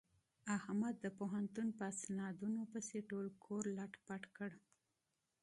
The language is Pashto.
احمد د پوهنتون په اسنادونو پسې ټول کور لت پت کړ.